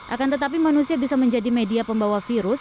akan tetapi manusia bisa menjadi media pembawa virus